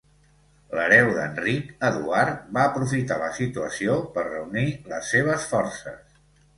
L'hereu d'Enric, Eduard, va aprofitar la situació per reunir les seves forces.